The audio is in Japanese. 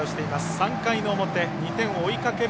３回の表、２点を追いかける